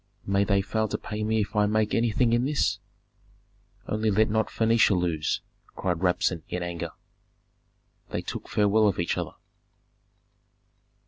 "May they fail to pay me if I make anything in this! Only let not Phœnicia lose!" cried Rabsun, in anger. They took farewell of each other.